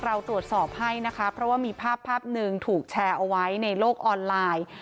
เราตรวจสอบให้นะคะเพราะว่ามีภาพภาพหนึ่งถูกแชร์เอาไว้ในโลกออนไลน์